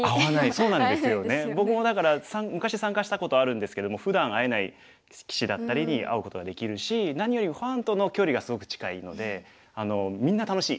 昔参加したことあるんですけれどもふだん会えない棋士だったりに会うことができるし何よりもファンとの距離がすごく近いのでみんな楽しい！